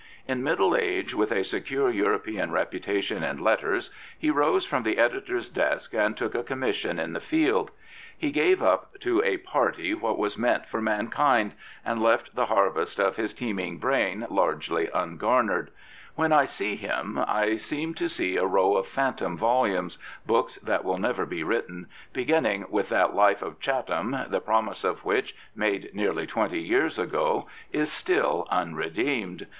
In middle age, with a secure European reputation in letters, he rose from the editor's desk and took a commission in the field. " He gave up to a party what was meant for 146 Lord Morley of Blackburn mankind/' and left the harvest of his teeming brain " largely ungarnered. When I see him I seem to see a row of phShtom volumes — books that will never be written — beginning with that Life of Chatham, the promise of which, made nearly twenty years ago, is still unredeemed.